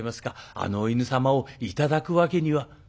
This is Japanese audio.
あのお犬様を頂くわけには？」。